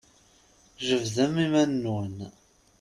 Jebdem iman-nwen!